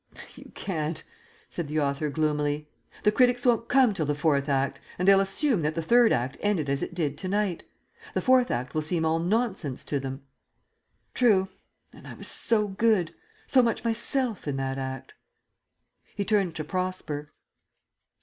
"You can't," said the author gloomily. "The critics won't come till the Fourth Act, and they'll assume that the Third Act ended as it did to night. The Fourth Act will seem all nonsense to them." "True. And I was so good, so much myself, in that Act." He turned to Prosper.